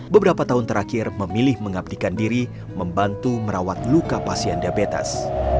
beberapa tahun terakhir memilih mengabdikan diri membantu merawat luka pasien diabetes